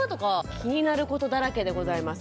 気になることだらけでございます。